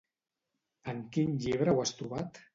En quin llibre ho has trobat?